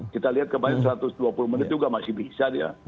kita lihat kemarin satu ratus dua puluh menit juga masih bisa dia